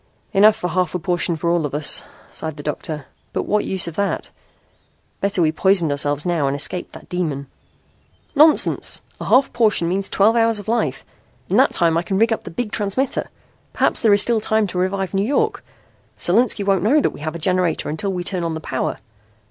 "Enough for a half portion for all of us," sighed the doctor. "But what use of that? Better we poisoned ourselves now and escaped that demon." "Nonsense. A half portion means twelve hours of life. In that time I can rig up the big transmitter. Perhaps there is still time to revive New York. Solinski won't know we have a generator until we turn on the power.